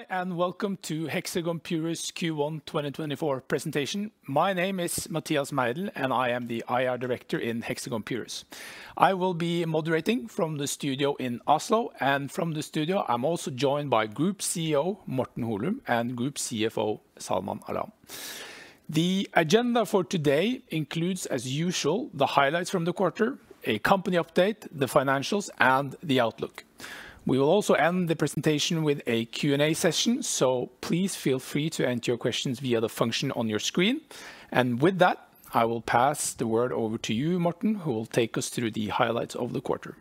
Hi, and welcome to Hexagon Purus Q1 2024 presentation. My name is Mathias Meidell, and I am the IR Director in Hexagon Purus. I will be moderating from the studio in Oslo, and from the studio, I'm also joined by Group CEO, Morten Holum, and Group CFO, Salman Alam. The agenda for today includes, as usual, the highlights from the quarter, a company update, the financials, and the outlook. We will also end the presentation with a Q&A session, so please feel free to enter your questions via the function on your screen. And with that, I will pass the word over to you, Morten, who will take us through the highlights of the quarter.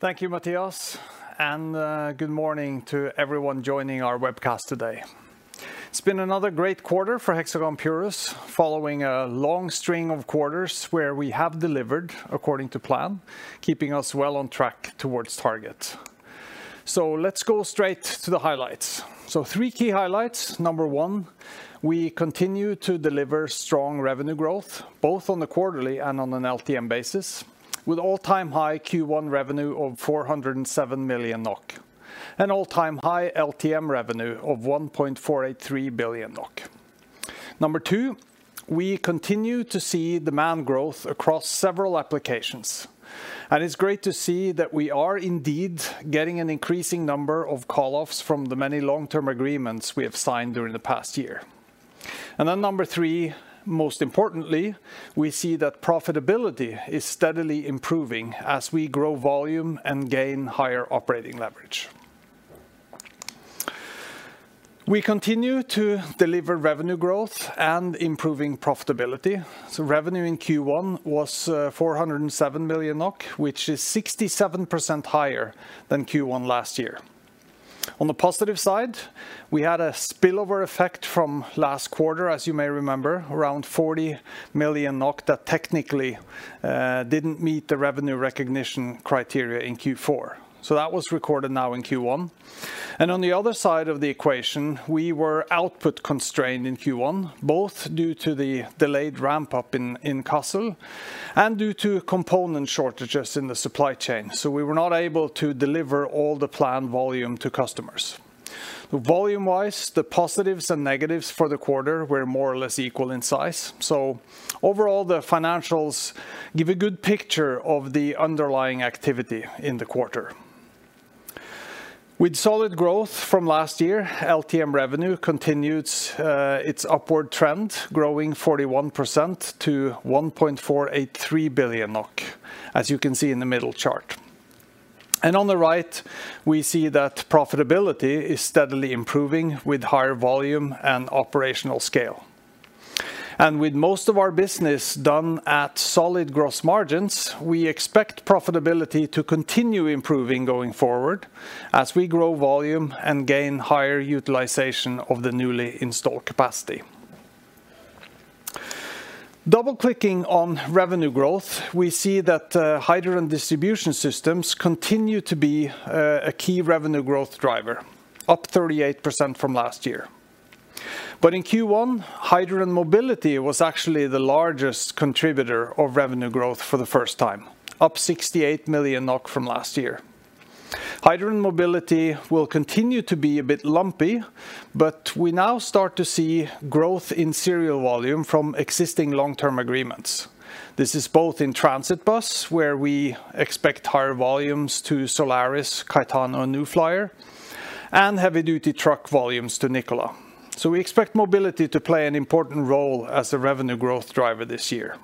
Thank you, Mathias, and good morning to everyone joining our webcast today. It's been another great quarter for Hexagon Purus, following a long string of quarters where we have delivered according to plan, keeping us well on track towards target. Let's go straight to the highlights. Three key highlights: number one, we continue to deliver strong revenue growth, both on the quarterly and on an LTM basis, with all-time high Q1 revenue of 407 million NOK, and all-time high LTM revenue of 1.483 billion NOK. Number two, we continue to see demand growth across several applications, and it's great to see that we are indeed getting an increasing number of call-offs from the many long-term agreements we have signed during the past year. Then number 3, most importantly, we see that profitability is steadily improving as we grow volume and gain higher operating leverage. We continue to deliver revenue growth and improving profitability. So revenue in Q1 was 407 million NOK, which is 67% higher than Q1 last year. On the positive side, we had a spillover effect from last quarter, as you may remember, around 40 million that technically didn't meet the revenue recognition criteria in Q4. So that was recorded now in Q1. And on the other side of the equation, we were output constrained in Q1, both due to the delayed ramp-up in Kassel, and due to component shortages in the supply chain. So we were not able to deliver all the planned volume to customers. Volume-wise, the positives and negatives for the quarter were more or less equal in size. So overall, the financials give a good picture of the underlying activity in the quarter. With solid growth from last year, LTM revenue continued its upward trend, growing 41% to 1.483 billion NOK, as you can see in the middle chart. And on the right, we see that profitability is steadily improving with higher volume and operational scale. And with most of our business done at solid gross margins, we expect profitability to continue improving going forward as we grow volume and gain higher utilization of the newly installed capacity. Double-clicking on revenue growth, we see that hydrogen distribution systems continue to be a key revenue growth driver, up 38% from last year. But in Q1, hydrogen mobility was actually the largest contributor of revenue growth for the first time, up 68 million NOK from last year. Hydrogen mobility will continue to be a bit lumpy, but we now start to see growth in serial volume from existing long-term agreements. This is both in transit bus, where we expect higher volumes to Solaris, Caetano, and New Flyer, and heavy-duty truck volumes to Nikola. So we expect mobility to play an important role as a revenue growth driver this year.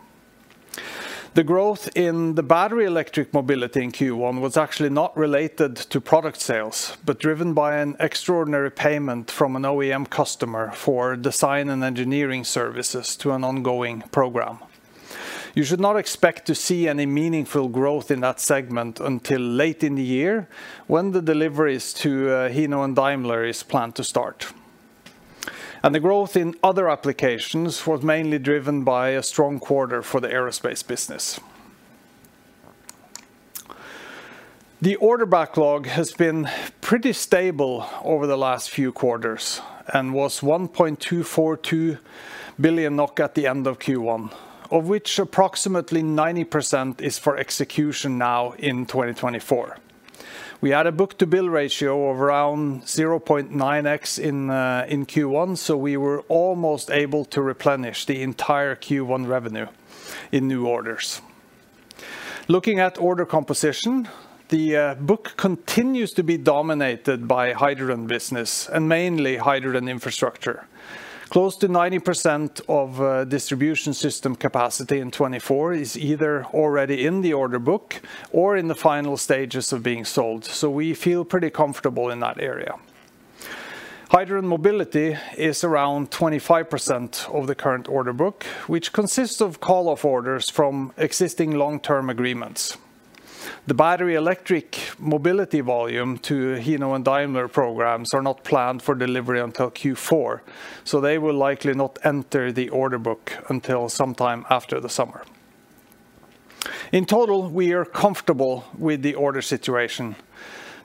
The growth in the battery electric mobility in Q1 was actually not related to product sales, but driven by an extraordinary payment from an OEM customer for design and engineering services to an ongoing program. You should not expect to see any meaningful growth in that segment until late in the year, when the deliveries to, Hino and Daimler is planned to start. And the growth in other applications was mainly driven by a strong quarter for the aerospace business. The order backlog has been pretty stable over the last few quarters and was 1.242 billion NOK at the end of Q1, of which approximately 90% is for execution now in 2024. We had a book-to-bill ratio of around 0.9x in Q1, so we were almost able to replenish the entire Q1 revenue in new orders. Looking at order composition, the book continues to be dominated by hydrogen business and mainly hydrogen infrastructure. Close to 90% of distribution system capacity in 2024 is either already in the order book or in the final stages of being sold, so we feel pretty comfortable in that area. Hydrogen mobility is around 25% of the current order book, which consists of call-off orders from existing long-term agreements. The battery electric mobility volume to Hino and Daimler programs are not planned for delivery until Q4, so they will likely not enter the order book until sometime after the summer. In total, we are comfortable with the order situation.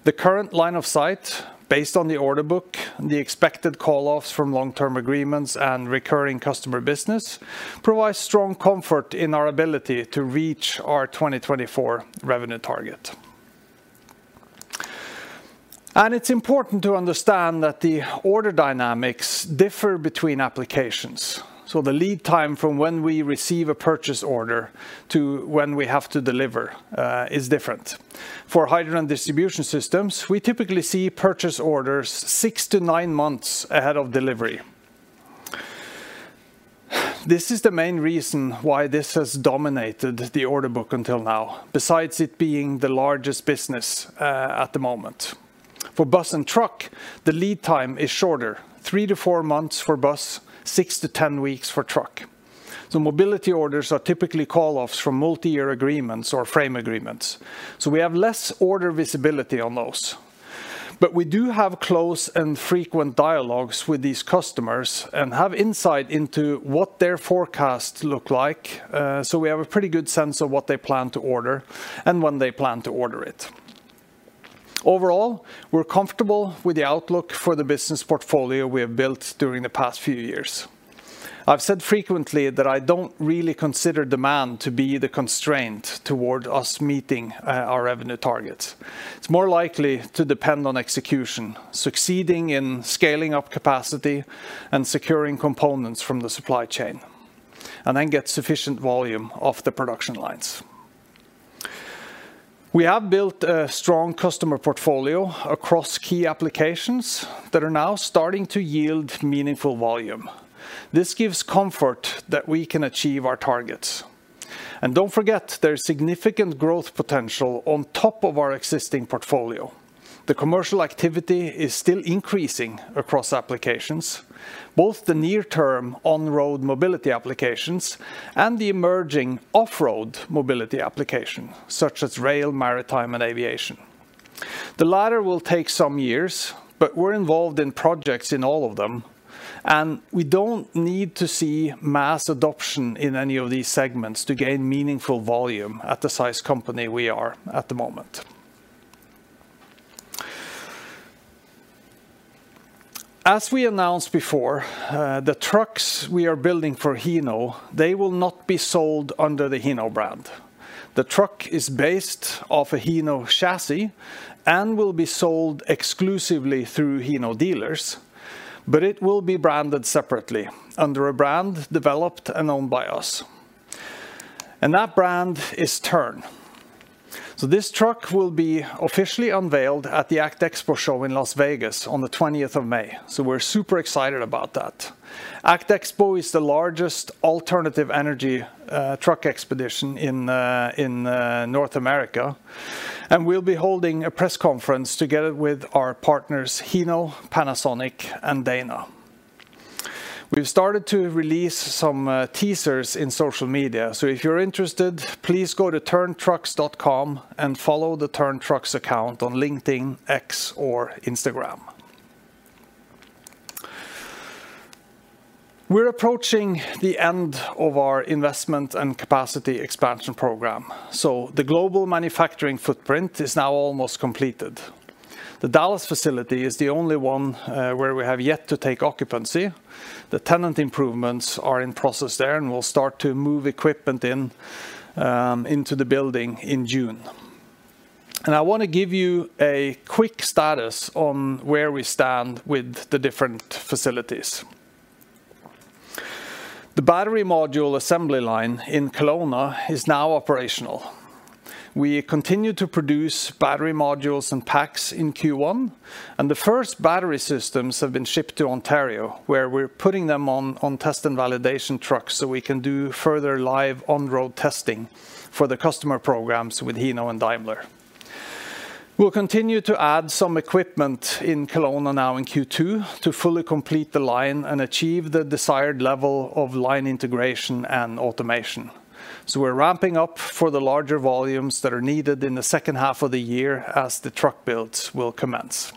The current line of sight, based on the order book, the expected call-offs from long-term agreements, and recurring customer business, provides strong comfort in our ability to reach our 2024 revenue target. It's important to understand that the order dynamics differ between applications. So the lead time from when we receive a purchase order to when we have to deliver is different. For hydrogen distribution systems, we typically see purchase orders 6-9 months ahead of delivery. This is the main reason why this has dominated the order book until now, besides it being the largest business at the moment. For bus and truck, the lead time is shorter, 3-4 months for bus, 6-10 weeks for truck. So mobility orders are typically call-offs from multi-year agreements or frame agreements, so we have less order visibility on those. But we do have close and frequent dialogues with these customers, and have insight into what their forecasts look like, so we have a pretty good sense of what they plan to order and when they plan to order it. Overall, we're comfortable with the outlook for the business portfolio we have built during the past few years. I've said frequently that I don't really consider demand to be the constraint toward us meeting our revenue targets. It's more likely to depend on execution, succeeding in scaling up capacity, and securing components from the supply chain, and then get sufficient volume off the production lines. We have built a strong customer portfolio across key applications that are now starting to yield meaningful volume. This gives comfort that we can achieve our targets. Don't forget, there's significant growth potential on top of our existing portfolio. The commercial activity is still increasing across applications, both the near-term on-road mobility applications, and the emerging off-road mobility application, such as rail, maritime, and aviation. The latter will take some years, but we're involved in projects in all of them, and we don't need to see mass adoption in any of these segments to gain meaningful volume at the size company we are at the moment. As we announced before, the trucks we are building for Hino, they will not be sold under the Hino brand. The truck is based off a Hino chassis, and will be sold exclusively through Hino dealers, but it will be branded separately under a brand developed and owned by us. That brand is Tern. This truck will be officially unveiled at the ACT Expo show in Las Vegas on the twentieth of May. We're super excited about that. ACT Expo is the largest alternative energy truck exposition in North America, and we'll be holding a press conference together with our partners, Hino, Panasonic, and Dana. We've started to release some teasers in social media, so if you're interested, please go to terntrucks.com and follow the Tern Trucks account on LinkedIn, X, or Instagram. We're approaching the end of our investment and capacity expansion program, so the global manufacturing footprint is now almost completed. The Dallas facility is the only one where we have yet to take occupancy. The tenant improvements are in process there, and we'll start to move equipment into the building in June. I wanna give you a quick status on where we stand with the different facilities. The battery module assembly line in Kelowna is now operational. We continue to produce battery modules and packs in Q1, and the first battery systems have been shipped to Ontario, where we're putting them on test and validation trucks so we can do further live on-road testing for the customer programs with Hino and Daimler. We'll continue to add some equipment in Kelowna now in Q2 to fully complete the line and achieve the desired level of line integration and automation. We're ramping up for the larger volumes that are needed in the second half of the year as the truck builds will commence.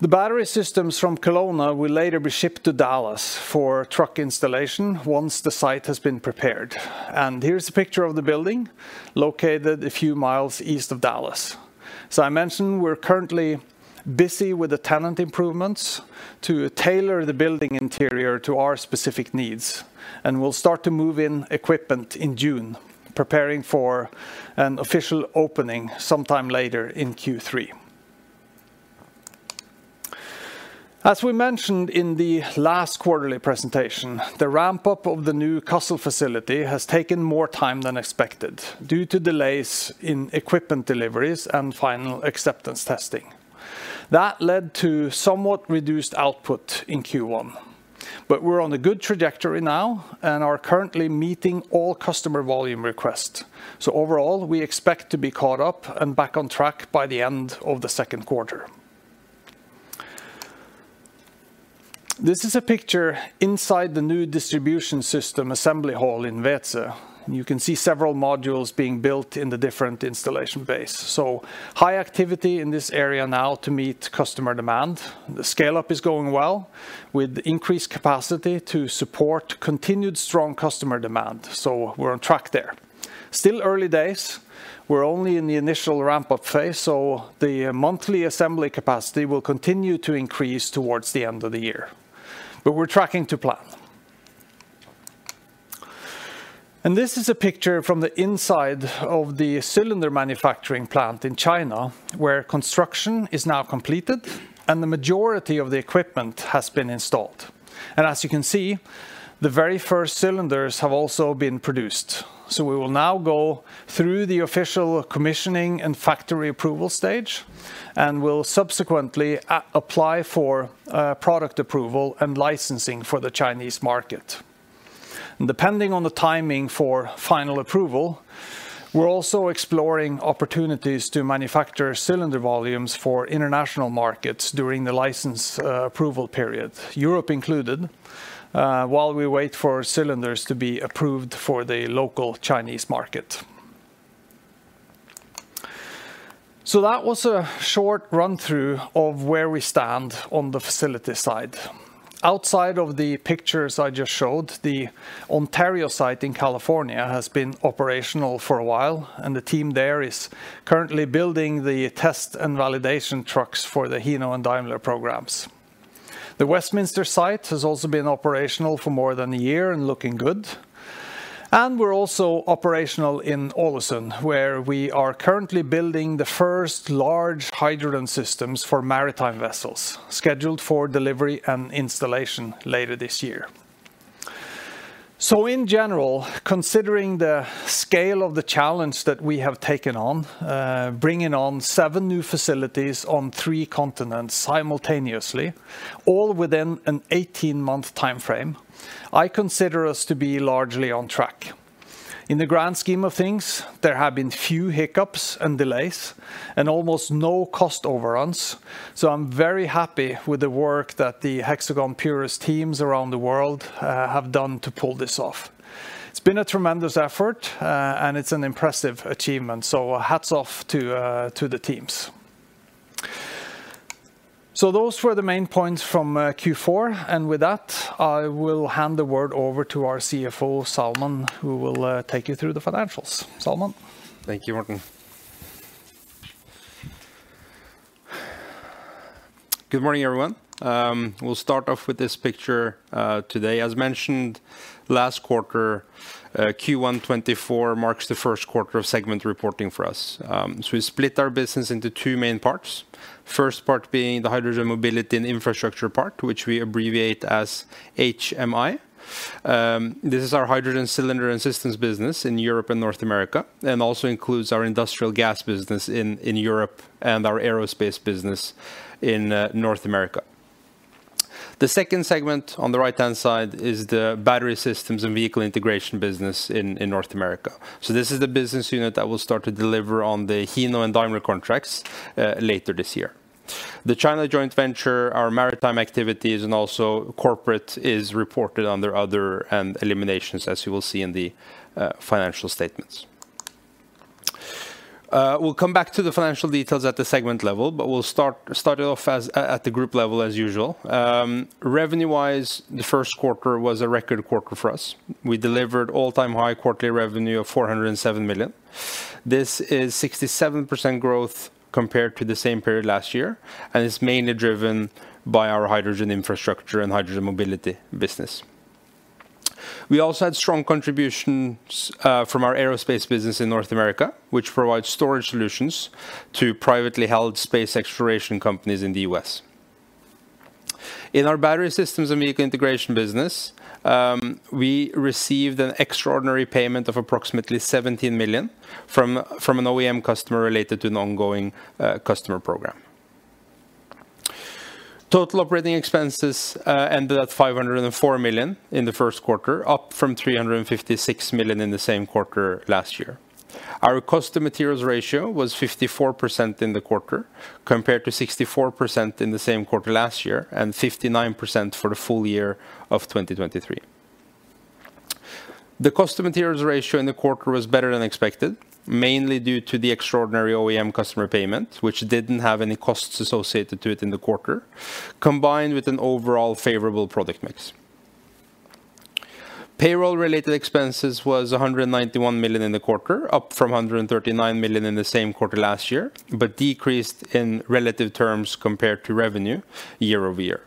The battery systems from Kelowna will later be shipped to Dallas for truck installation once the site has been prepared. Here's a picture of the building, located a few miles east of Dallas. I mentioned we're currently busy with the tenant improvements to tailor the building interior to our specific needs, and we'll start to move in equipment in June, preparing for an official opening sometime later in Q3. As we mentioned in the last quarterly presentation, the ramp-up of the new Kassel facility has taken more time than expected, due to delays in equipment deliveries and final acceptance testing. That led to somewhat reduced output in Q1. We're on a good trajectory now, and are currently meeting all customer volume requests. So overall, we expect to be caught up and back on track by the end of the second quarter. This is a picture inside the new distribution system assembly hall in Wetzlar. You can see several modules being built in the different installation base. So high activity in this area now to meet customer demand. The scale-up is going well, with increased capacity to support continued strong customer demand. So we're on track there. Still early days, we're only in the initial ramp-up phase, so the monthly assembly capacity will continue to increase towards the end of the year, but we're tracking to plan. And this is a picture from the inside of the cylinder manufacturing plant in China, where construction is now completed, and the majority of the equipment has been installed. And as you can see, the very first cylinders have also been produced. We will now go through the official commissioning and factory approval stage, and we'll subsequently apply for product approval and licensing for the Chinese market. Depending on the timing for final approval, we're also exploring opportunities to manufacture cylinder volumes for international markets during the license approval period, Europe included, while we wait for cylinders to be approved for the local Chinese market. That was a short run-through of where we stand on the facility side. Outside of the pictures I just showed, the Ontario site in California has been operational for a while, and the team there is currently building the test and validation trucks for the Hino and Daimler programs. The Westminster site has also been operational for more than a year and looking good. We're also operational in Ålesund, where we are currently building the first large hydrogen systems for maritime vessels, scheduled for delivery and installation later this year. So in general, considering the scale of the challenge that we have taken on, bringing on seven new facilities on three continents simultaneously, all within an 18-month timeframe, I consider us to be largely on track. In the grand scheme of things, there have been few hiccups and delays, and almost no cost overruns, so I'm very happy with the work that the Hexagon Purus teams around the world have done to pull this off. It's been a tremendous effort, and it's an impressive achievement, so hats off to the teams. So those were the main points from Q4, and with that, I will hand the word over to our CFO, Salman, who will take you through the financials. Salman? Thank you, Morten. Good morning, everyone. We'll start off with this picture today. As mentioned last quarter, Q1 2024 marks the first quarter of segment reporting for us. So we split our business into two main parts. First part being the Hydrogen Mobility and Infrastructure part, which we abbreviate as HMI. This is our hydrogen cylinder and systems business in Europe and North America, and also includes our industrial gas business in Europe and our aerospace business in North America. The second segment on the right-hand side is the Battery Systems and Vehicle Integration business in North America. So this is the business unit that will start to deliver on the Hino and Daimler contracts later this year. The China joint venture, our maritime activities, and also corporate, is reported under other and eliminations, as you will see in the financial statements. We'll come back to the financial details at the segment level, but we'll start it off as at the group level as usual. Revenue-wise, the first quarter was a record quarter for us. We delivered all-time high quarterly revenue of 407 million. This is 67% growth compared to the same period last year, and it's mainly driven by our hydrogen infrastructure and hydrogen mobility business. We also had strong contributions from our aerospace business in North America, which provides storage solutions to privately held space exploration companies in the US. In our Battery Systems and Vehicle Integration business, we received an extraordinary payment of approximately 17 million from an OEM customer related to an ongoing customer program. Total operating expenses ended at 504 million in the first quarter, up from 356 million in the same quarter last year. Our cost to materials ratio was 54% in the quarter, compared to 64% in the same quarter last year, and 59% for the full year of 2023. The cost to materials ratio in the quarter was better than expected, mainly due to the extraordinary OEM customer payment, which didn't have any costs associated to it in the quarter, combined with an overall favorable product mix. Payroll-related expenses was 191 million in the quarter, up from 139 million in the same quarter last year, but decreased in relative terms compared to revenue year-over-year.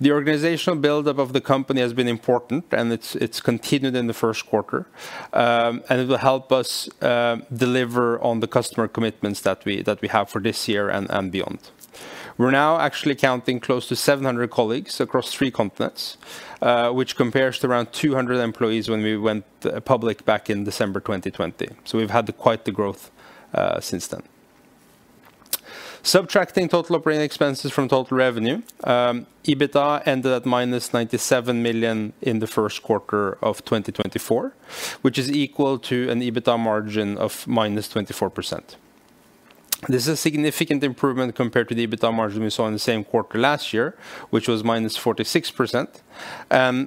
The organizational buildup of the company has been important, and it's, it's continued in the first quarter. And it will help us, deliver on the customer commitments that we, that we have for this year and, and beyond. We're now actually counting close to 700 colleagues across 3 continents, which compares to around 200 employees when we went public back in December 2020. So we've had quite the growth, since then. Subtracting total operating expenses from total revenue, EBITDA ended at -97 million in the first quarter of 2024, which is equal to an EBITDA margin of -24%. This is a significant improvement compared to the EBITDA margin we saw in the same quarter last year, which was -46%.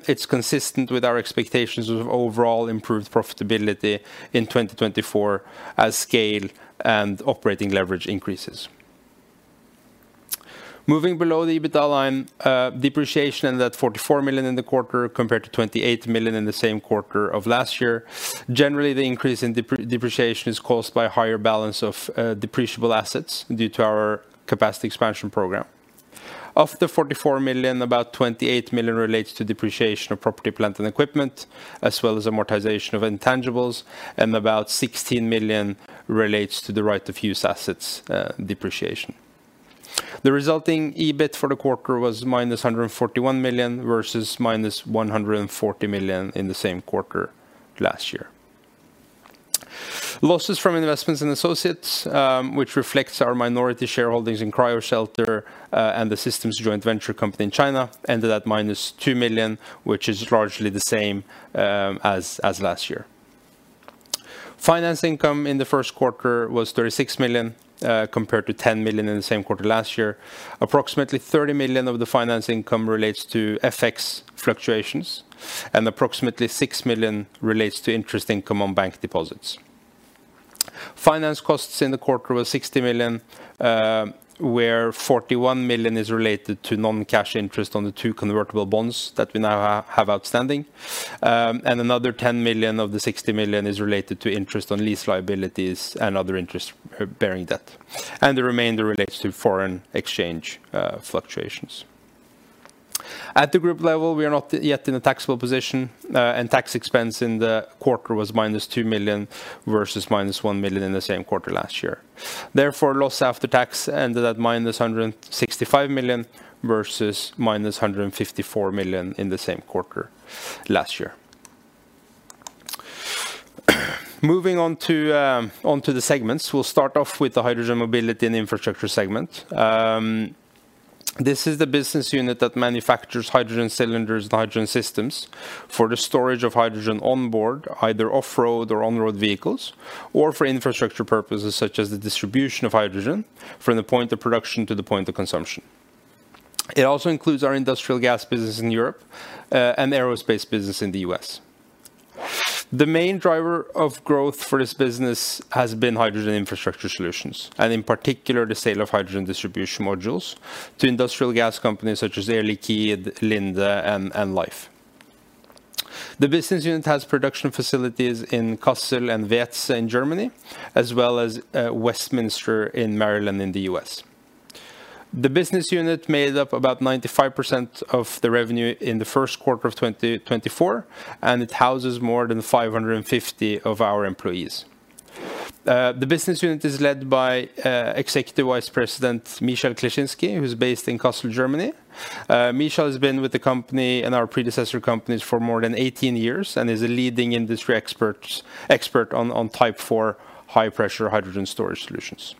It's consistent with our expectations of overall improved profitability in 2024 as scale and operating leverage increases. Moving below the EBITDA line, depreciation ended at 44 million in the quarter, compared to 28 million in the same quarter of last year. Generally, the increase in depreciation is caused by a higher balance of depreciable assets due to our capacity expansion program. Of the 44 million, about 28 million relates to depreciation of property, plant, and equipment, as well as amortization of intangibles, and about 16 million relates to the right of use assets depreciation. The resulting EBIT for the quarter was -141 million, versus -140 million in the same quarter last year. Losses from investments in associates, which reflects our minority shareholdings in Cryoshelter, and the Systems joint venture company in China, ended at -2 million, which is largely the same as last year. Finance income in the first quarter was 36 million, compared to 10 million in the same quarter last year. Approximately 30 million of the finance income relates to FX fluctuations, and approximately 6 million relates to interest income on bank deposits. Finance costs in the quarter were 60 million, where 41 million is related to non-cash interest on the two convertible bonds that we now have outstanding. And another 10 million of the 60 million is related to interest on lease liabilities and other interest bearing debt, and the remainder relates to foreign exchange fluctuations. At the group level, we are not yet in a taxable position, and tax expense in the quarter was -2 million, versus -1 million in the same quarter last year. Therefore, loss after tax ended at -165 million, versus -154 million in the same quarter last year. Moving on to the segments. We'll start off with the Hydrogen Mobility and Infrastructure segment. This is the business unit that manufactures hydrogen cylinders and hydrogen systems for the storage of hydrogen on board, either off-road or on-road vehicles, or for infrastructure purposes, such as the distribution of hydrogen from the point of production to the point of consumption. It also includes our industrial gas business in Europe, and aerospace business in the U.S. The main driver of growth for this business has been hydrogen infrastructure solutions, and in particular, the sale of hydrogen distribution modules to industrial gas companies such as Air Liquide, Linde, and Lhyfe. The business unit has production facilities in Kassel and Wetzlar in Germany, as well as Westminster in Maryland, in the US. The business unit made up about 95% of the revenue in the first quarter of 2024, and it houses more than 550 of our employees. The business unit is led by Executive Vice President Michael Kleschinski, who's based in Kassel, Germany. Michael has been with the company and our predecessor companies for more than 18 years and is a leading industry expert on Type 4 high-pressure hydrogen storage solutions.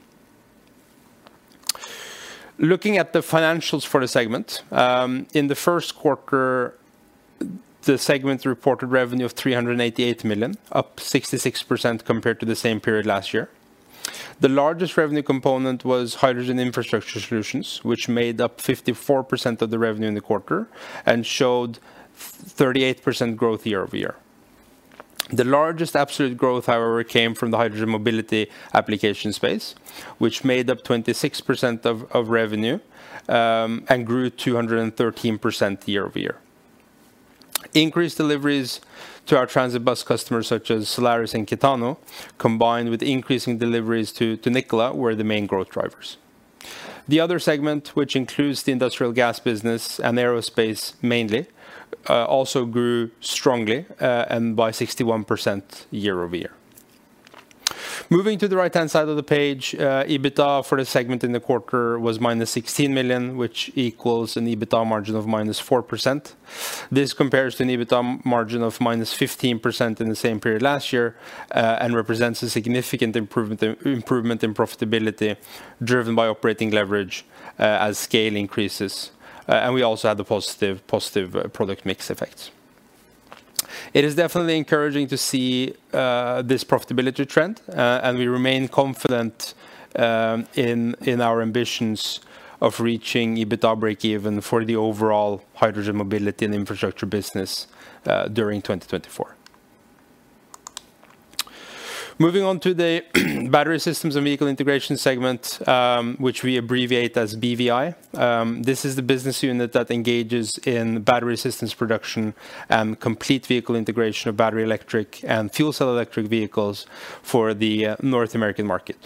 Looking at the financials for the segment, in the first quarter, the segment reported revenue of 388 million, up 66% compared to the same period last year. The largest revenue component was hydrogen infrastructure solutions, which made up 54% of the revenue in the quarter and showed thirty-eight percent growth year-over-year. The largest absolute growth, however, came from the hydrogen mobility application space, which made up 26% of revenue, and grew 213% year-over-year. Increased deliveries to our transit bus customers, such as Solaris and Caetano, combined with increasing deliveries to Nikola, were the main growth drivers. The other segment, which includes the industrial gas business and aerospace mainly, also grew strongly, and by 61% year-over-year. Moving to the right-hand side of the page, EBITDA for the segment in the quarter was -16 million, which equals an EBITDA margin of -4%. This compares to an EBITDA margin of -15% in the same period last year, and represents a significant improvement in, improvement in profitability, driven by operating leverage, as scale increases. We also had the positive, positive product mix effect. It is definitely encouraging to see this profitability trend, and we remain confident in our ambitions of reaching EBITDA breakeven for the overall Hydrogen Mobility and Infrastructure business during 2024. Moving on to the Battery Systems and Vehicle Integration segment, which we abbreviate as BVI. This is the business unit that engages in battery systems production and complete vehicle integration of battery electric and fuel cell electric vehicles for the North American market.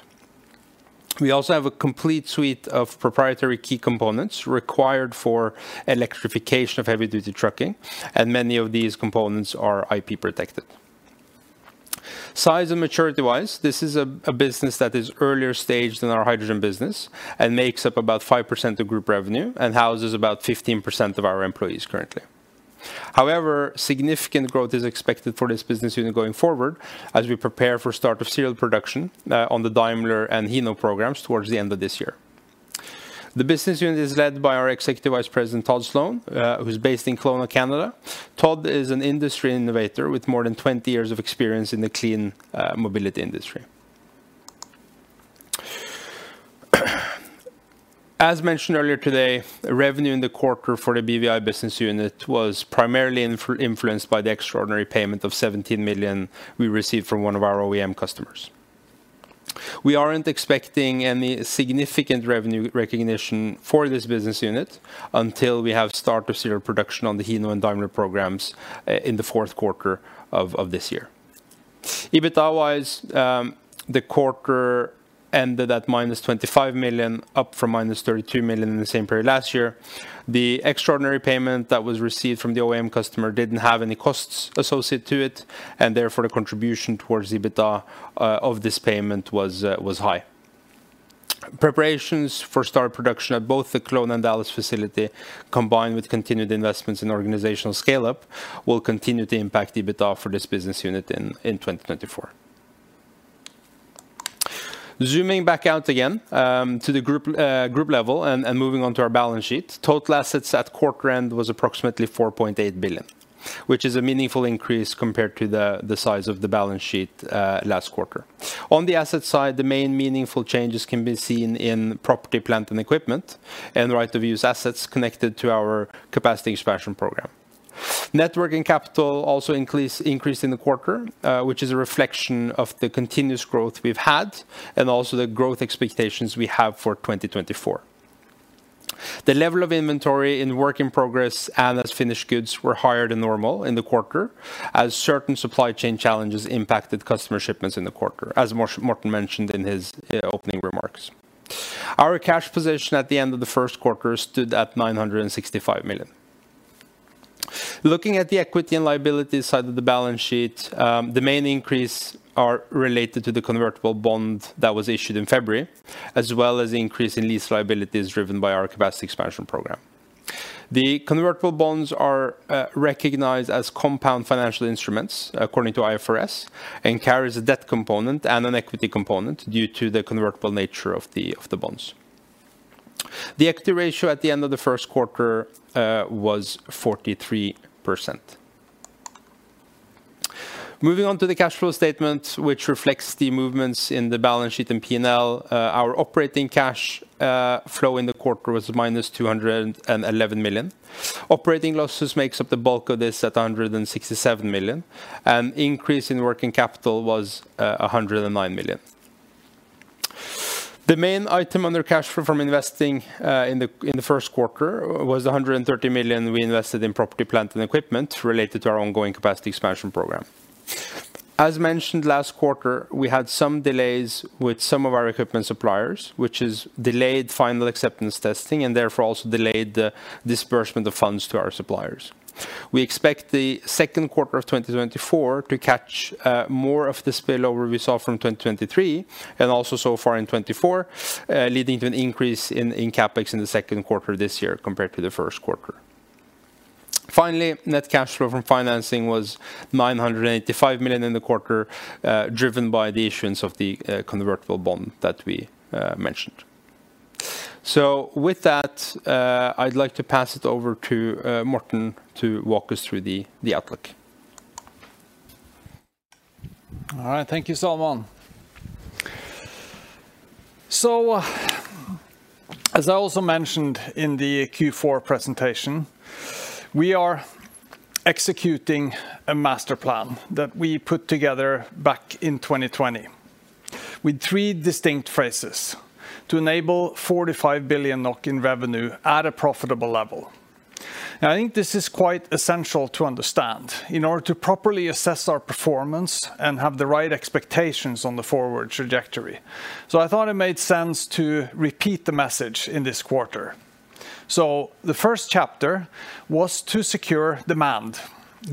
We also have a complete suite of proprietary key components required for electrification of heavy-duty trucking, and many of these components are IP protected. Size and maturity-wise, this is a business that is earlier stage than our hydrogen business and makes up about 5% of group revenue and houses about 15% of our employees currently. However, significant growth is expected for this business unit going forward as we prepare for start of serial production on the Daimler and Hino programs towards the end of this year. The business unit is led by our Executive Vice President, Todd Sloan, who's based in Kelowna, Canada. Todd is an industry innovator with more than 20 years of experience in the clean mobility industry. As mentioned earlier today, revenue in the quarter for the BEV business unit was primarily influenced by the extraordinary payment of 17 million we received from one of our OEM customers. We aren't expecting any significant revenue recognition for this business unit until we have start of serial production on the Hino and Daimler programs in the fourth quarter of this year. EBITDA-wise, the quarter ended at -25 million, up from -32 million in the same period last year. The extraordinary payment that was received from the OEM customer didn't have any costs associated to it, and therefore, the contribution towards EBITDA of this payment was high. Preparations for start production at both the Kelowna and Dallas facility, combined with continued investments in organizational scale-up, will continue to impact EBITDA for this business unit in 2024. Zooming back out again, to the group level and moving on to our balance sheet, total assets at quarter end was approximately 4.8 billion, which is a meaningful increase compared to the size of the balance sheet last quarter. On the asset side, the main meaningful changes can be seen in property, plant, and equipment, and right-of-use assets connected to our capacity expansion program. Net working capital also increased in the quarter, which is a reflection of the continuous growth we've had and also the growth expectations we have for 2024. The level of inventory in work in progress and as finished goods were higher than normal in the quarter, as certain supply chain challenges impacted customer shipments in the quarter, as Morten mentioned in his opening remarks. Our cash position at the end of the first quarter stood at 965 million. Looking at the equity and liability side of the balance sheet, the main increase are related to the convertible bond that was issued in February, as well as the increase in lease liabilities driven by our capacity expansion program. The convertible bonds are recognized as compound financial instruments, according to IFRS, and carries a debt component and an equity component due to the convertible nature of the bonds. The equity ratio at the end of the first quarter was 43%. Moving on to the cash flow statement, which reflects the movements in the balance sheet and P&L, our operating cash flow in the quarter was minus 211 million. Operating losses makes up the bulk of this at 167 million, and increase in working capital was a 109 million. The main item under cash flow from investing in the first quarter was the 130 million we invested in property, plant, and equipment related to our ongoing capacity expansion program. As mentioned last quarter, we had some delays with some of our equipment suppliers, which has delayed final acceptance testing and therefore, also delayed the disbursement of funds to our suppliers. We expect the second quarter of 2024 to catch more of the spillover we saw from 2023, and also so far in 2024, leading to an increase in CapEx in the second quarter this year compared to the first quarter. Finally, net cash flow from financing was 985 million in the quarter, driven by the issuance of the convertible bond that we mentioned. So with that, I'd like to pass it over to Morten to walk us through the outlook. All right, thank you, Salman. So as I also mentioned in the Q4 presentation, we are executing a master plan that we put together back in 2020, with three distinct phases to enable 4-5 billion NOK in revenue at a profitable level. I think this is quite essential to understand in order to properly assess our performance and have the right expectations on the forward trajectory. So I thought it made sense to repeat the message in this quarter. So the first chapter was to secure demand,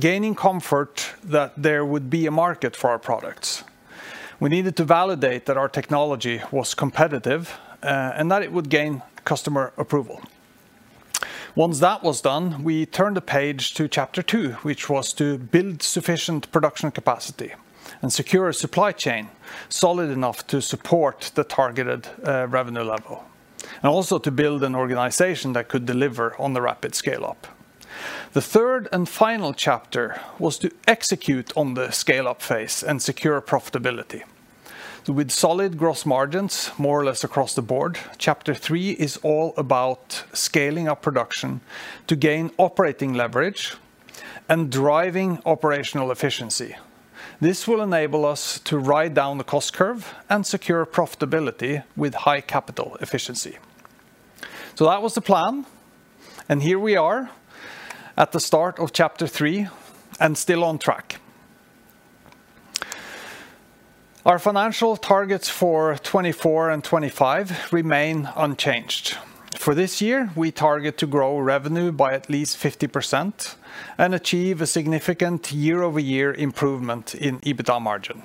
gaining comfort that there would be a market for our products. We needed to validate that our technology was competitive, and that it would gain customer approval. Once that was done, we turned the page to chapter two, which was to build sufficient production capacity and secure a supply chain solid enough to support the targeted revenue level, and also to build an organization that could deliver on the rapid scale up. The third and final chapter was to execute on the scale-up phase and secure profitability. With solid gross margins, more or less across the board, chapter three is all about scaling up production to gain operating leverage and driving operational efficiency. This will enable us to ride down the cost curve and secure profitability with high capital efficiency. So that was the plan, and here we are at the start of chapter three and still on track. Our financial targets for 2024 and 2025 remain unchanged. For this year, we target to grow revenue by at least 50% and achieve a significant year-over-year improvement in EBITDA margin.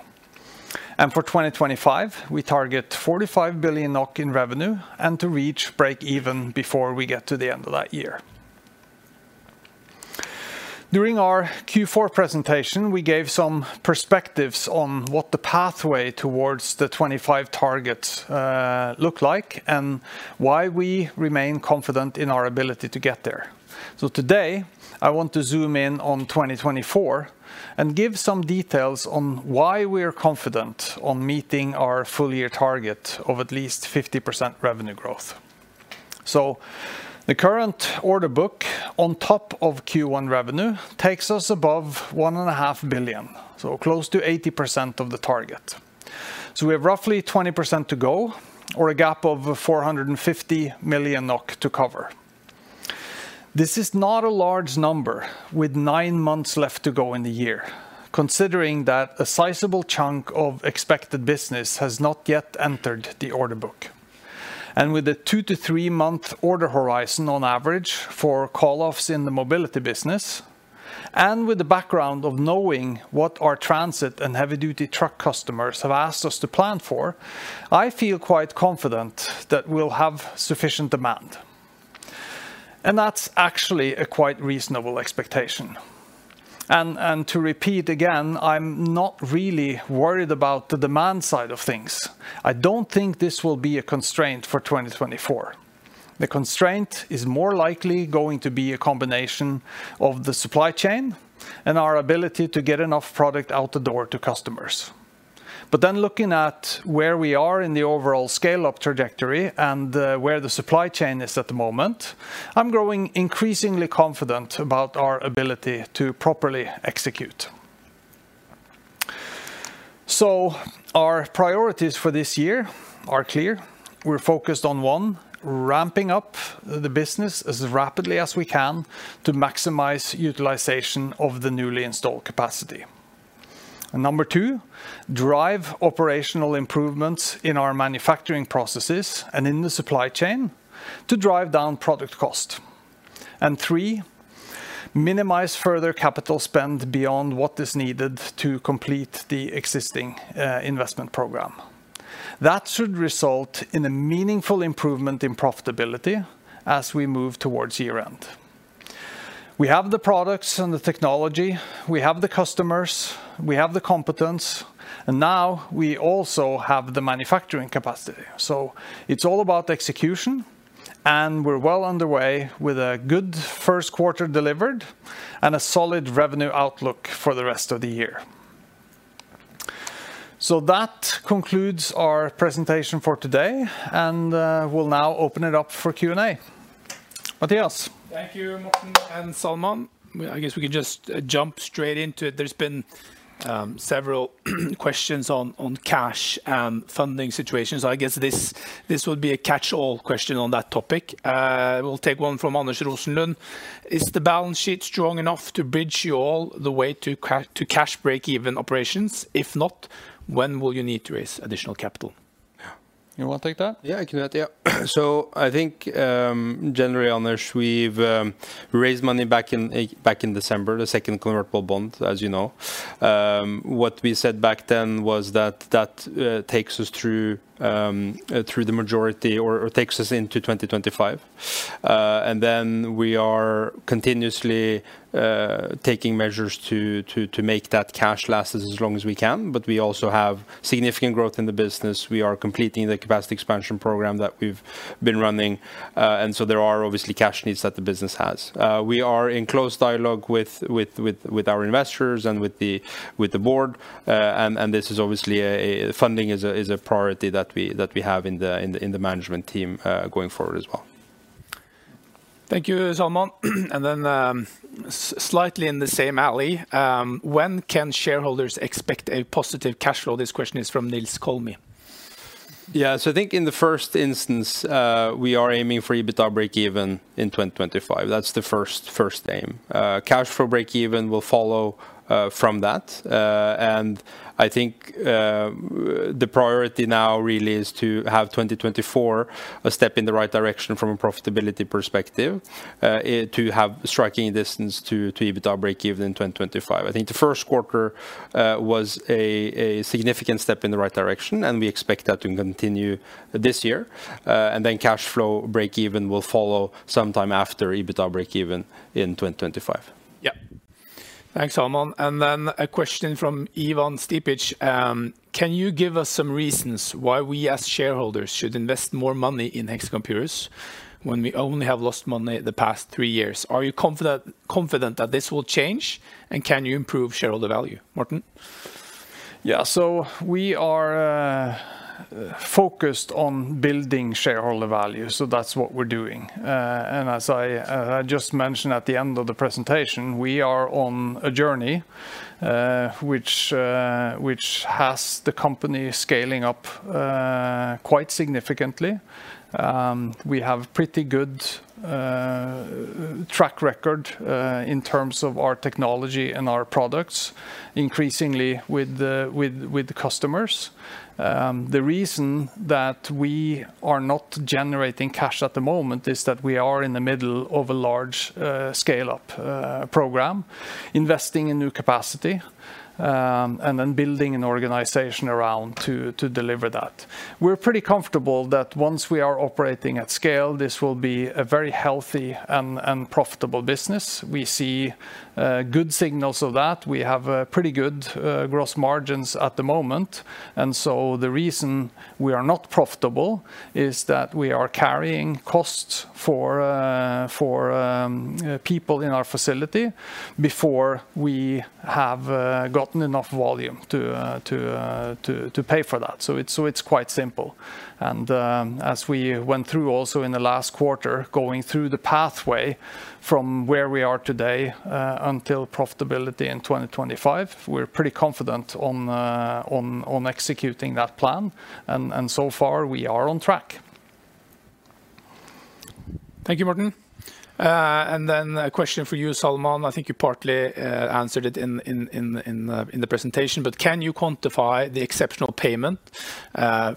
And for 2025, we target 4-5 billion NOK in revenue and to reach break even before we get to the end of that year. During our Q4 presentation, we gave some perspectives on what the pathway towards the 2025 targets look like and why we remain confident in our ability to get there. So today, I want to zoom in on 2024 and give some details on why we are confident on meeting our full year target of at least 50% revenue growth. So the current order book, on top of Q1 revenue, takes us above 1.5 billion, so close to 80% of the target. So we have roughly 20% to go, or a gap of 450 million NOK to cover. This is not a large number, with 9 months left to go in the year, considering that a sizable chunk of expected business has not yet entered the order book. And with a 2- to 3-month order horizon on average for call-offs in the mobility business, and with the background of knowing what our transit and heavy-duty truck customers have asked us to plan for, I feel quite confident that we'll have sufficient demand. And that's actually a quite reasonable expectation. And to repeat again, I'm not really worried about the demand side of things. I don't think this will be a constraint for 2024. The constraint is more likely going to be a combination of the supply chain and our ability to get enough product out the door to customers. But then looking at where we are in the overall scale-up trajectory and, where the supply chain is at the moment, I'm growing increasingly confident about our ability to properly execute. So our priorities for this year are clear. We're focused on, one, ramping up the business as rapidly as we can to maximize utilization of the newly installed capacity. And number two, drive operational improvements in our manufacturing processes and in the supply chain to drive down product cost. And three, minimize further capital spend beyond what is needed to complete the existing, investment program. That should result in a meaningful improvement in profitability as we move towards year-end. We have the products and the technology, we have the customers, we have the competence, and now we also have the manufacturing capacity. So it's all about execution, and we're well underway with a good first quarter delivered, and a solid revenue outlook for the rest of the year. So that concludes our presentation for today, and we'll now open it up for Q&A. Mathias? Thank you, Morten and Salman. I guess we can just jump straight into it. There's been several questions on cash and funding situations. So I guess this will be a catch-all question on that topic. We'll take one from Anders Rosenlund: "Is the balance sheet strong enough to bridge you all the way to cash breakeven operations? If not, when will you need to raise additional capital? Yeah. You wanna take that? Yeah, I can add, yeah. So I think, generally, Anders, we've raised money back in, back in December, the second convertible bond, as you know. What we said back then was that that takes us through, through the majority or, or takes us into 2025. And then we are continuously taking measures to, to, to make that cash last as long as we can, but we also have significant growth in the business. We are completing the capacity expansion program that we've been running, and so there are obviously cash needs that the business has. We are in close dialogue with our investors and with the board, and this is obviously funding is a priority that we have in the management team, going forward as well. Thank you, Salman. And then, slightly in the same alley: "When can shareholders expect a positive cash flow?" This question is from Nils Kolmi. Yeah, so I think in the first instance, we are aiming for EBITDA breakeven in 2025. That's the first, first aim. Cash flow breakeven will follow, from that. And I think, the priority now really is to have 2024 a step in the right direction from a profitability perspective, it to have striking distance to, to EBITDA breakeven in 2025. I think the first quarter, was a, a significant step in the right direction, and we expect that to continue this year. And then cash flow breakeven will follow sometime after EBITDA breakeven in 2025. Yeah. Thanks, Salman. And then a question from Ivan Stipic: "Can you give us some reasons why we, as shareholders, should invest more money in Hexagon Purus when we only have lost money the past three years? Are you confident, confident that this will change, and can you improve shareholder value?" Morten? Yeah. So we are focused on building shareholder value, so that's what we're doing. And as I just mentioned at the end of the presentation, we are on a journey, which has the company scaling up quite significantly. We have pretty good track record in terms of our technology and our products, increasingly with the customers. The reason that we are not generating cash at the moment is that we are in the middle of a large scale-up program, investing in new capacity, and then building an organization around to deliver that. We're pretty comfortable that once we are operating at scale, this will be a very healthy and profitable business. We see good signals of that. We have pretty good gross margins at the moment. So the reason we are not profitable is that we are carrying costs for people in our facility before we have gotten enough volume to pay for that. So it's quite simple. As we went through also in the last quarter, going through the pathway from where we are today until profitability in 2025, we're pretty confident on executing that plan, and so far we are on track.... Thank you, Morten. And then a question for you, Salman. I think you partly answered it in the presentation, but can you quantify the exceptional payment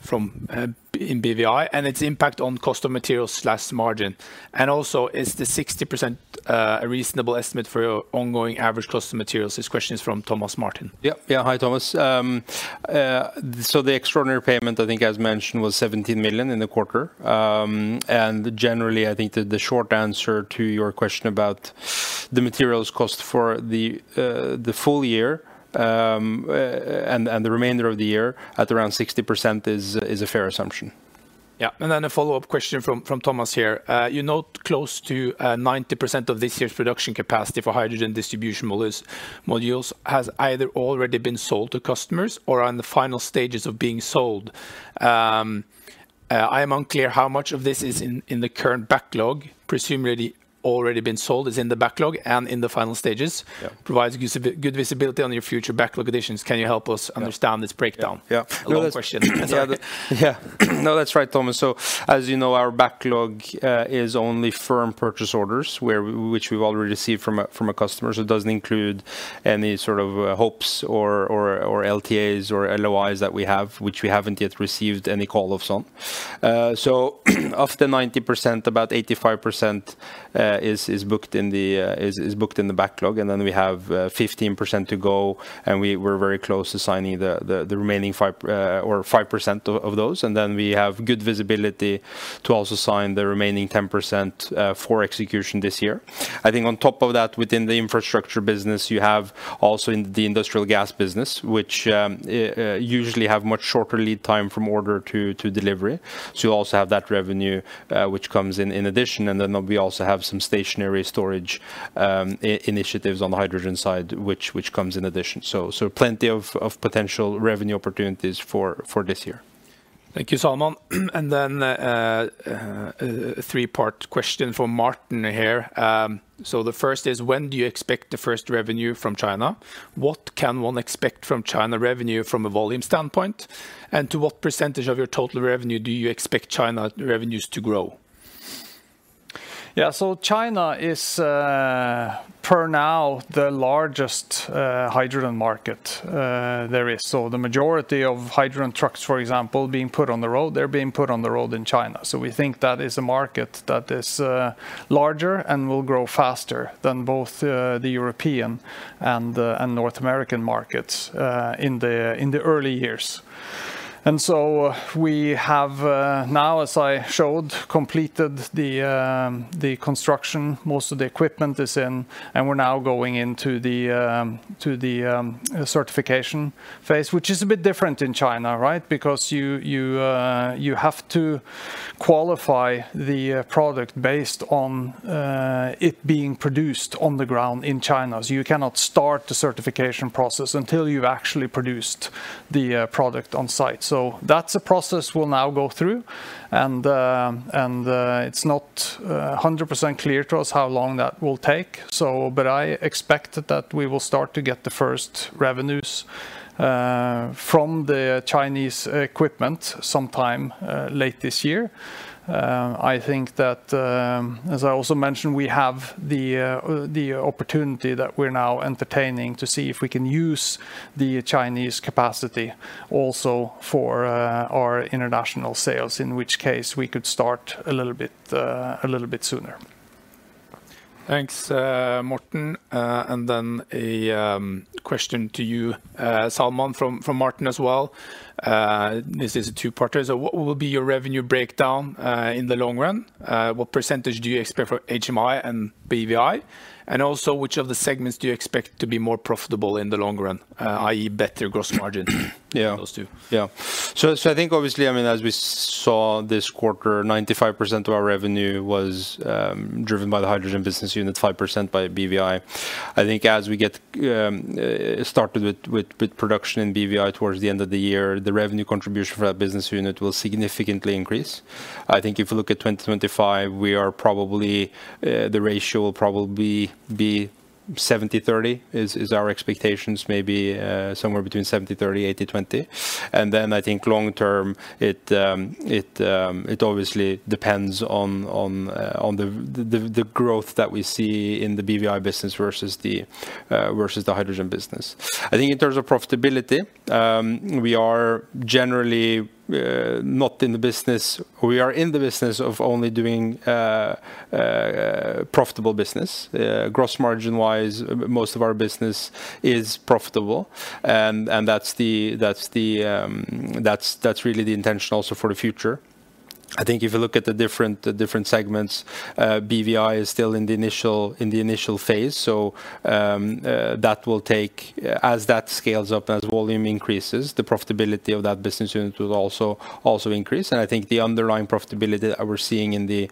from in BEV and its impact on cost of materials/margin? And also, is the 60% a reasonable estimate for your ongoing average cost of materials? This question is from Thomas Morten. Yeah. Yeah. Hi, Thomas. So the extraordinary payment, I think, as mentioned, was 17 million in the quarter. And generally, I think the short answer to your question about the materials cost for the full year, and the remainder of the year at around 60% is a fair assumption. Yeah. And then a follow-up question from Thomas here. You're not close to 90% of this year's production capacity for hydrogen distribution modules has either already been sold to customers or are in the final stages of being sold. I am unclear how much of this is in the current backlog, presumably already been sold, is in the backlog and in the final stages. Yeah. Provides good visibility on your future backlog additions. Can you help us? Yeah... understand this breakdown? Yeah. A long question. Yeah. No, that's right, Thomas. So as you know, our backlog is only firm purchase orders, which we've already received from a customer. So it doesn't include any sort of hopes or LTAs or LOIs that we have, which we haven't yet received any call of some. So of the 90%, about 85% is booked in the backlog, and then we have 15% to go, and we're very close to signing the remaining 5% of those. And then we have good visibility to also sign the remaining 10% for execution this year. I think on top of that, within the infrastructure business, you have also in the industrial gas business, which usually have much shorter lead time from order to delivery. So you also have that revenue which comes in in addition, and then we also have some stationary storage initiatives on the hydrogen side, which comes in addition. So plenty of potential revenue opportunities for this year. Thank you, Salman. Then, a three-part question from Morten here. The first is, when do you expect the first revenue from China? What can one expect from China revenue from a volume standpoint? And to what percentage of your total revenue do you expect China revenues to grow? Yeah. So China is, per now, the largest hydrogen market there is. So the majority of hydrogen trucks, for example, being put on the road, they're being put on the road in China. So we think that is a market that is larger and will grow faster than both the European and the and North American markets in the in the early years. And so we have now, as I showed, completed the the construction. Most of the equipment is in, and we're now going into the to the certification phase, which is a bit different in China, right? Because you you you have to qualify the product based on it being produced on the ground in China. So you cannot start the certification process until you've actually produced the product on site. So that's a process we'll now go through. And, and, it's not 100% clear to us how long that will take, so but I expect that we will start to get the first revenues from the Chinese equipment sometime late this year. I think that, as I also mentioned, we have the opportunity that we're now entertaining to see if we can use the Chinese capacity also for our international sales, in which case we could start a little bit a little bit sooner. Thanks, Morten. And then a question to you, Salman, from Morten as well. This is a two-parter. So what will be your revenue breakdown in the long run? What percentage do you expect for HMI and BEV? And also, which of the segments do you expect to be more profitable in the long run, i.e., better gross margin- Yeah ... those two? Yeah. So I think obviously, I mean, as we saw this quarter, 95% of our revenue was driven by the hydrogen business unit, 5% by BEV. I think as we get started with production in BEV towards the end of the year, the revenue contribution for that business unit will significantly increase. I think if you look at 2025, we are probably the ratio will probably be 70/30, is our expectations, maybe somewhere between 70/30, 80/20. And then I think long term, it obviously depends on the growth that we see in the BEV business versus the hydrogen business. I think in terms of profitability, we are generally not in the business. We are in the business of only doing profitable business. Gross margin-wise, most of our business is profitable, and that's really the intention also for the future. I think if you look at the different segments, BEV is still in the initial phase, so that will take... As that scales up, as volume increases, the profitability of that business unit will also increase. And I think the underlying profitability that we're seeing in the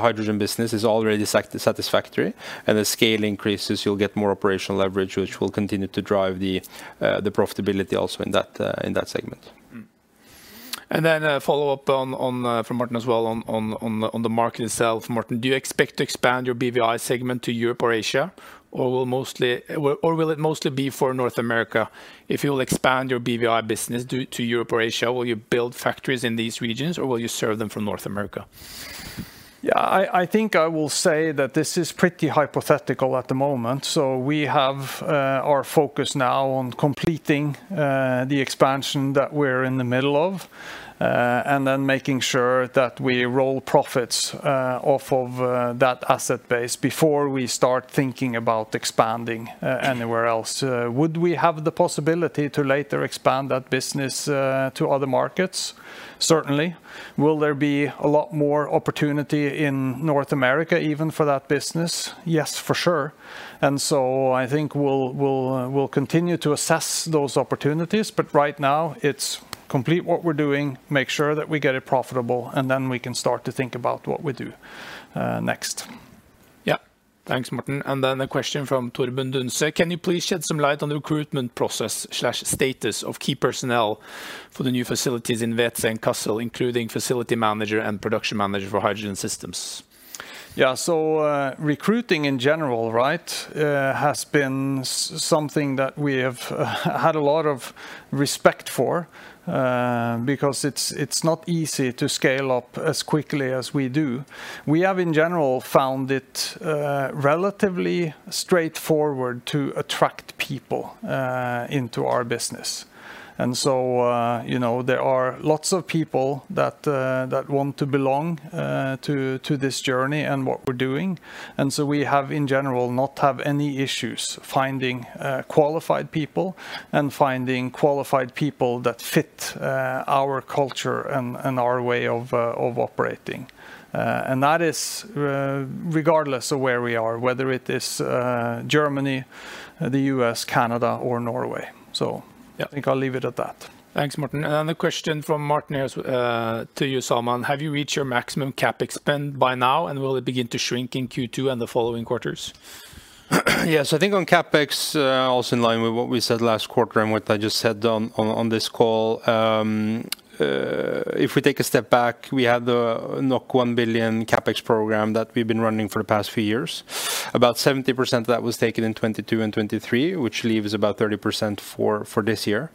hydrogen business is already satisfactory. And as scale increases, you'll get more operational leverage, which will continue to drive the profitability also in that segment. Mm-hmm. And then a follow-up on from Morten as well, on the market itself. Morten, do you expect to expand your BEV segment to Europe or Asia, or will it mostly be for North America? If you will expand your BEV business due to Europe or Asia, will you build factories in these regions, or will you serve them from North America?... Yeah, I, I think I will say that this is pretty hypothetical at the moment. So we have our focus now on completing the expansion that we're in the middle of, and then making sure that we roll profits off of that asset base before we start thinking about expanding anywhere else. Would we have the possibility to later expand that business to other markets? Certainly. Will there be a lot more opportunity in North America, even for that business? Yes, for sure. And so I think we'll, we'll, we'll continue to assess those opportunities, but right now, it's complete what we're doing, make sure that we get it profitable, and then we can start to think about what we do next. Yeah. Thanks, Morten. And then a question from Torben Dan "Can you please shed some light on the recruitment process/status of key personnel for the new facilities in Weeze and Kassel, including facility manager and production manager for hydrogen systems? Yeah. So, recruiting in general, right, has been something that we have had a lot of respect for, because it's not easy to scale up as quickly as we do. We have, in general, found it relatively straightforward to attract people into our business. And so, you know, there are lots of people that want to belong to this journey and what we're doing. And so we have, in general, not have any issues finding qualified people and finding qualified people that fit our culture and our way of operating. And that is regardless of where we are, whether it is Germany, the U.S., Canada, or Norway. So yeah, I think I'll leave it at that. Thanks, Morten. Another question from Morten to you, Salman: "Have you reached your maximum CapEx spend by now, and will it begin to shrink in Q2 and the following quarters? Yes, I think on CapEx, also in line with what we said last quarter and what I just said on this call, if we take a step back, we had the 1 billion CapEx program that we've been running for the past few years. About 70% of that was taken in 2022 and 2023, which leaves about 30% for this year.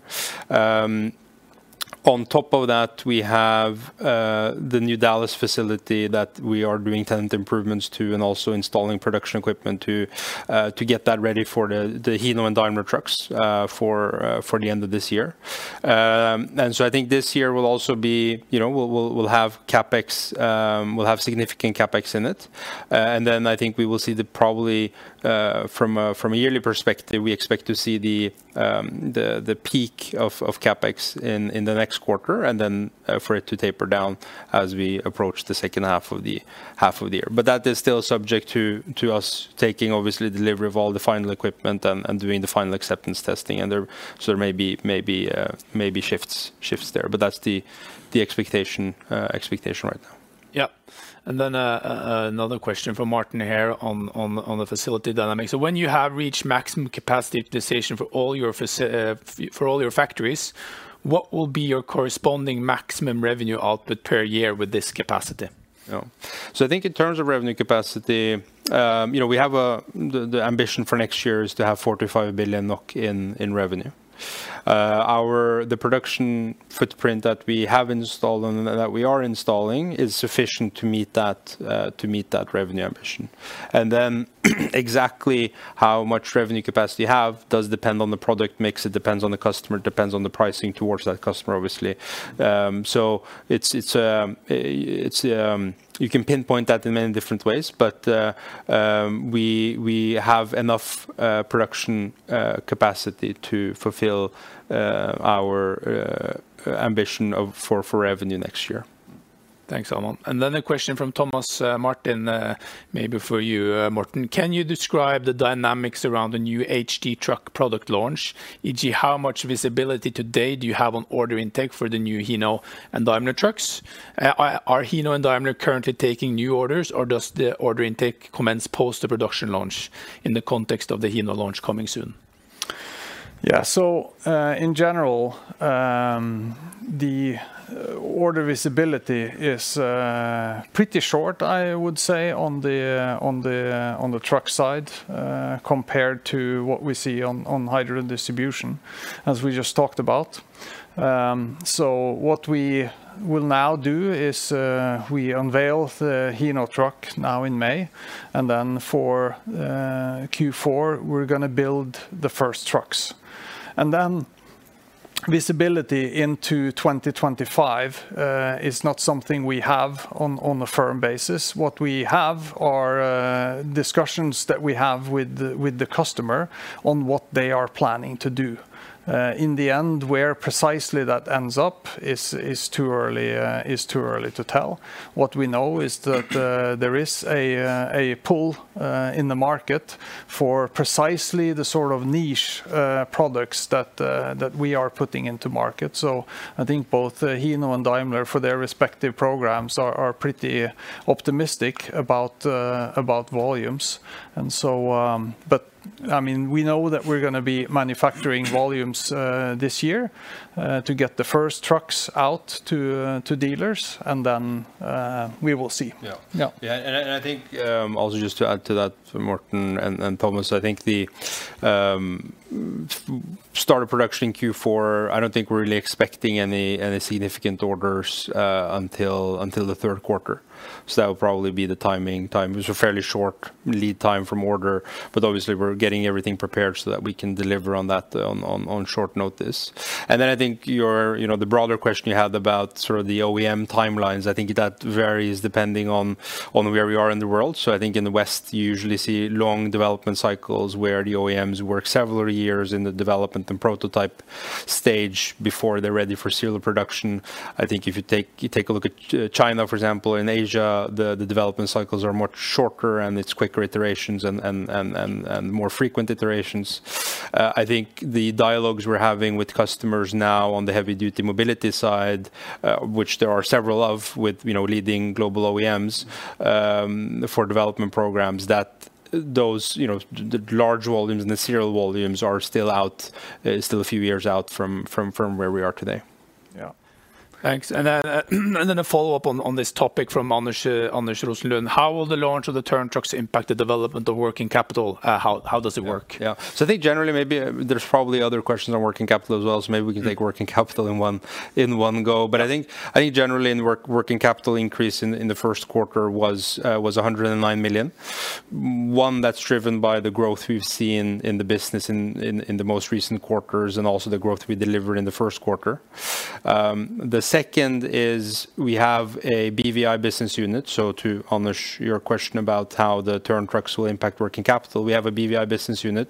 On top of that, we have the new Dallas facility that we are doing tenant improvements to and also installing production equipment to get that ready for the Hino and Daimler trucks for the end of this year. So I think this year will also be... You know, we'll have CapEx, we'll have significant CapEx in it. And then I think we will see probably from a yearly perspective, we expect to see the peak of CapEx in the next quarter, and then for it to taper down as we approach the second half of the year. But that is still subject to us taking, obviously, delivery of all the final equipment and doing the final acceptance testing. And so there may be shifts there. But that's the expectation right now. Yeah. And then, another question from Morten here on, on, on the facility dynamics: "So when you have reached maximum capacity optimization for all your factories, what will be your corresponding maximum revenue output per year with this capacity? Yeah. So I think in terms of revenue capacity, you know, we have the ambition for next year is to have 4-5 billion NOK in revenue. The production footprint that we have installed and that we are installing is sufficient to meet that, to meet that revenue ambition. And then, exactly how much revenue capacity you have does depend on the product mix, it depends on the customer, it depends on the pricing towards that customer, obviously. So it's, it's, you can pinpoint that in many different ways, but, we have enough production capacity to fulfill our ambition for revenue next year. Thanks, Salman. And then a question from Thomas, Morten, maybe for you, Morten: "Can you describe the dynamics around the new HD truck product launch? E.g., how much visibility today do you have on order intake for the new Hino and Daimler trucks? Are Hino and Daimler currently taking new orders, or does the order intake commence post the production launch in the context of the Hino launch coming soon? Yeah. So, in general, the order visibility is pretty short, I would say, on the truck side, compared to what we see on hydrogen distribution, as we just talked about. So what we will now do is, we unveil the Hino truck now in May, and then for Q4, we're gonna build the first trucks. And then visibility into 2025 is not something we have on a firm basis. What we have are discussions that we have with the customer on what they are planning to do. In the end, where precisely that ends up is too early to tell. What we know is that there is a pull in the market for precisely the sort of niche products that we are putting into market. So I think both Hino and Daimler, for their respective programs, are pretty optimistic about volumes. But, I mean, we know that we're gonna be manufacturing volumes this year to get the first trucks out to dealers, and then we will see. Yeah. Yeah. Yeah, and I think also just to add to that, Morten and Thomas, I think the full startup production in Q4, I don't think we're really expecting any significant orders until the third quarter. So that will probably be the timing. It's a fairly short lead time from order, but obviously, we're getting everything prepared so that we can deliver on that on short notice. And then I think your... You know, the broader question you had about sort of the OEM timelines, I think that varies depending on where we are in the world. So I think in the West, you usually see long development cycles, where the OEMs work several years in the development and prototype stage before they're ready for serial production. I think if you take a look at China, for example, in Asia, the development cycles are much shorter, and it's quicker iterations and more frequent iterations. I think the dialogues we're having with customers now on the heavy-duty mobility side, which there are several of with, you know, leading global OEMs, for development programs, that those, you know, the large volumes and the serial volumes are still out, still a few years out from where we are today. Yeah. Thanks. And then a follow-up on this topic from Anders Rosenlund. How will the launch of the Tern trucks impact the development of working capital? How does it work? Yeah. So I think generally, maybe there's probably other questions on working capital as well, so maybe we can take working capital in one go. But I think generally in working capital increase in the first quarter was 109 million. One, that's driven by the growth we've seen in the business in the most recent quarters, and also the growth we delivered in the first quarter. The second is we have a BEV business unit. So to honor your question about how the Tern trucks will impact working capital, we have a BEV business unit,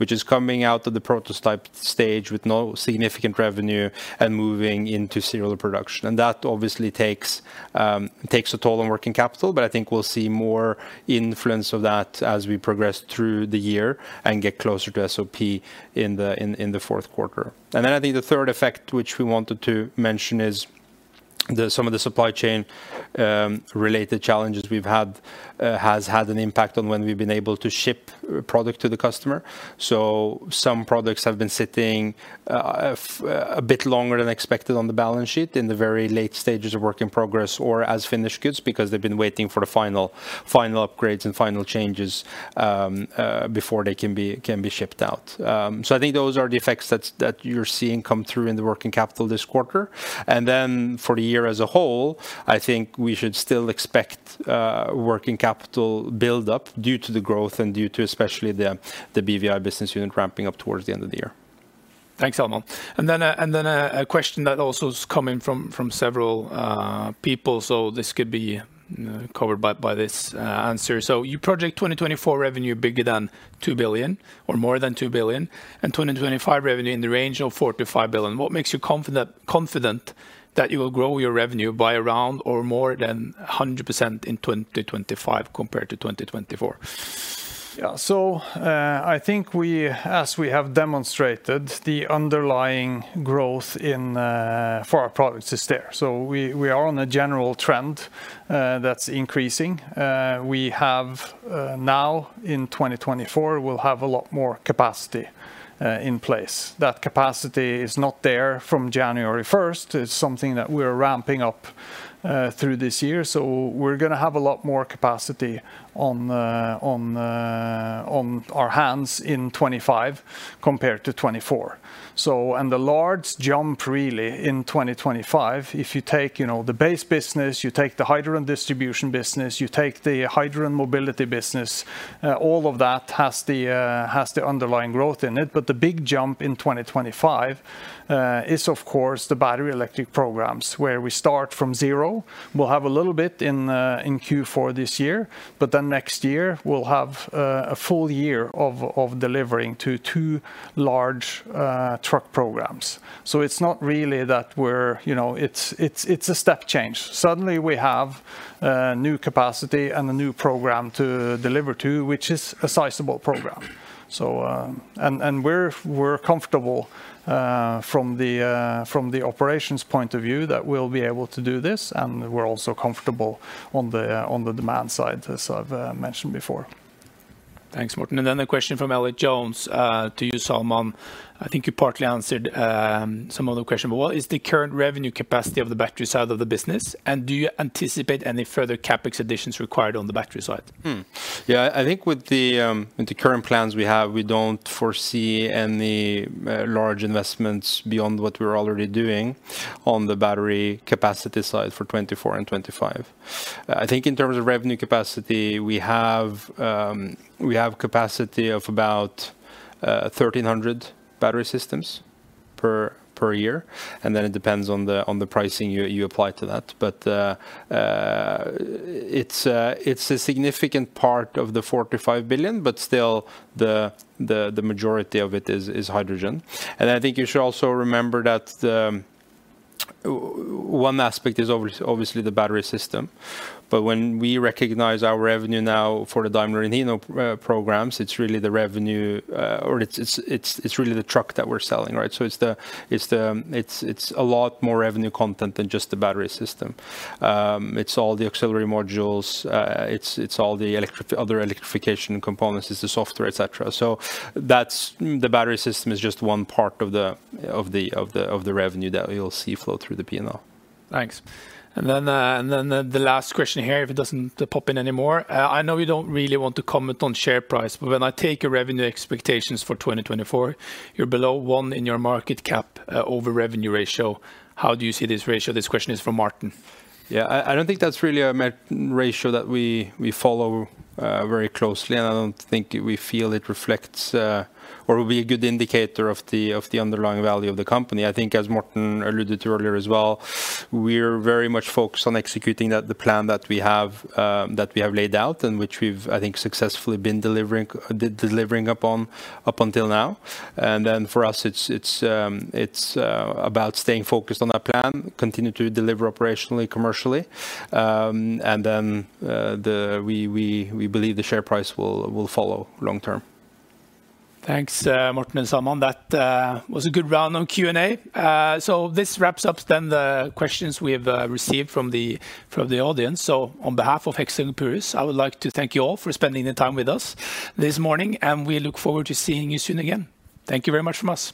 which is coming out of the prototype stage with no significant revenue and moving into serial production. That obviously takes a toll on working capital, but I think we'll see more influence of that as we progress through the year and get closer to SOP in the fourth quarter. Then I think the third effect, which we wanted to mention, is some of the supply chain related challenges we've had has had an impact on when we've been able to ship product to the customer. So some products have been sitting a bit longer than expected on the balance sheet in the very late stages of work in progress or as finished goods, because they've been waiting for the final upgrades and final changes before they can be shipped out. So I think those are the effects that you're seeing come through in the working capital this quarter. And then for the year as a whole, I think we should still expect working capital build-up due to the growth and due to, especially the BEV business unit ramping up towards the end of the year. Thanks, Salman. And then a question that also is coming from several people, so this could be covered by this answer. So you project 2024 revenue bigger than 2 billion or more than 2 billion, and 2025 revenue in the range of 4 billion-5 billion. What makes you confident, confident that you will grow your revenue by around or more than 100% in 2025 compared to 2024? Yeah. So, I think we, as we have demonstrated, the underlying growth in for our products is there. So we are on a general trend that's increasing. We have now in 2024, we'll have a lot more capacity in place. That capacity is not there from January first. It's something that we're ramping up through this year, so we're gonna have a lot more capacity on our hands in 2025 compared to 2024. So and the large jump, really, in 2025, if you take, you know, the base business, you take the hydrogen distribution business, you take the hydrogen mobility business, all of that has the underlying growth in it. But the big jump in 2025 is, of course, the battery electric programs, where we start from zero. We'll have a little bit in Q4 this year, but then next year, we'll have a full year of delivering to two large truck programs. So it's not really that we're... You know, it's a step change. Suddenly, we have new capacity and a new program to deliver to, which is a sizable program. So... And we're comfortable from the operations point of view that we'll be able to do this, and we're also comfortable on the demand side, as I've mentioned before. Thanks, Morten. Then a question from Elliott Jones to you, Salman. I think you partly answered some of the question, but what is the current revenue capacity of the battery side of the business, and do you anticipate any further CapEx additions required on the battery side? Yeah, I think with the current plans we have, we don't foresee any large investments beyond what we're already doing on the battery capacity side for 2024 and 2025. I think in terms of revenue capacity, we have capacity of about 1,300 battery systems per year, and then it depends on the pricing you apply to that. But it's a significant part of the 4 billion-5 billion, but still, the majority of it is hydrogen. And I think you should also remember that one aspect is obviously the battery system, but when we recognize our revenue now for the Daimler and Hino programs, it's really the revenue or it's really the truck that we're selling, right? So it's a lot more revenue content than just the battery system. It's all the auxiliary modules, it's all the other electrification components, it's the software, et cetera. So that's the battery system is just one part of the revenue that you'll see flow through the P&L. Thanks. And then the last question here, if it doesn't pop in anymore: I know you don't really want to comment on share price, but when I take your revenue expectations for 2024, you're below one in your market cap over revenue ratio. How do you see this ratio? This question is from Morten. Yeah, I don't think that's really a P/E ratio that we follow very closely, and I don't think we feel it reflects or will be a good indicator of the underlying value of the company. I think, as Morten alluded to earlier as well, we're very much focused on executing the plan that we have laid out and which we've, I think, successfully been delivering upon, up until now. And then for us, it's about staying focused on our plan, continue to deliver operationally, commercially. And then, we believe the share price will follow long term. Thanks, Morten and Salman. That was a good round on Q&A. So this wraps up then the questions we have received from the audience. So on behalf of Hexagon Purus, I would like to thank you all for spending the time with us this morning, and we look forward to seeing you soon again. Thank you very much from us.